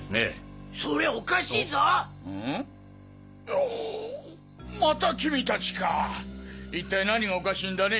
あまた君達か一体何がおかしいんだね？